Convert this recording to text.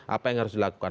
apa yang harus dilakukan